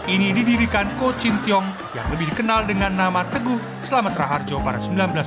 ini didirikan ko chin tiong yang lebih dikenal dengan nama teguh selamat raharjo pada seribu sembilan ratus sembilan puluh